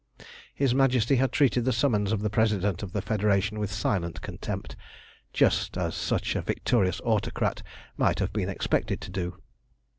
His Majesty had treated the summons of the President of the Federation with silent contempt, just as such a victorious autocrat might have been expected to do.